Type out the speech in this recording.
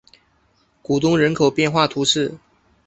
古东人口变化图示